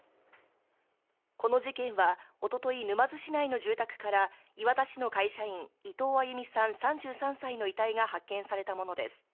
この事件はおととい、沼津市内の住宅から、磐田市の会社員、伊藤亜佑美さん３３歳の遺体が発見されたものです。